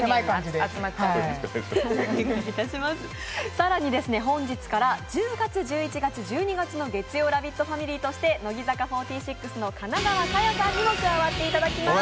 更に本日から１０月１１月１２月の月曜ラヴィットレギュラーとして乃木坂４６の金川紗耶さんにも加わっていただきます。